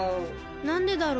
なんでだろう。